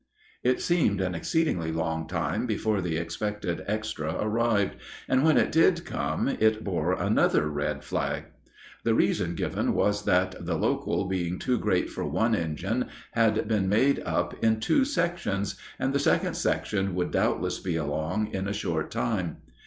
It seemed an exceedingly long time before the expected "extra" arrived, and when it did come it bore another red flag. The reason given was that the "local," being too great for one engine, had been made up in two sections, and the second section would doubtless be along in a short time.